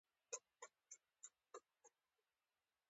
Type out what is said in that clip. توپیر یې د کانونو په مدیریت کې روښانه کیږي.